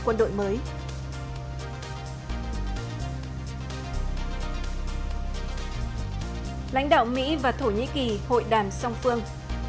quân đội mới lãnh đạo mỹ và thổ nhĩ kỳ hội đàm song phương